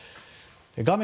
画面